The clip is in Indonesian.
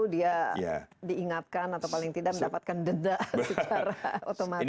dia diingatkan atau paling tidak mendapatkan denda secara otomatis